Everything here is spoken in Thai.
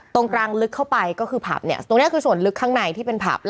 ตรงกลางลึกเข้าไปก็คือผับเนี่ยตรงนี้คือส่วนลึกข้างในที่เป็นผับ